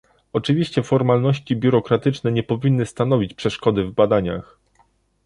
Oczywiście formalności biurokratyczne nie powinny stanowić przeszkody w badaniach